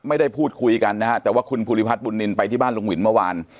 ไม่ได้พูดคุยกันนะฮะแต่ว่าคุณภูริพัฒนบุญนินไปที่บ้านลุงหวินเมื่อวาน